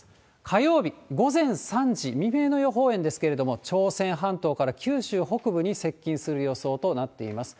火曜日午前３時、未明の予報円ですけれども、朝鮮半島から九州北部に接近する予想となっています。